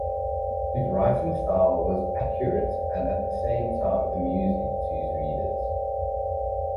His writing style was accurate and at the same time amusing to his readers.